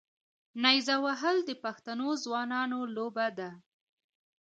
نیزه وهل د پښتنو ځوانانو لوبه ده.